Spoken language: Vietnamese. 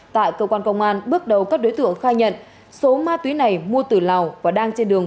tại cơ quan công an bước đầu các đối tượng khai nhận số ma túy này mua từ lào và đang trên đường